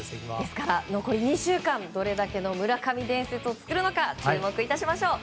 残り２週間どれだけの村上伝説を作るのか注目いたしましょう。